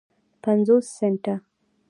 پینځوس سنټه